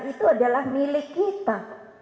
itu adalah milik kita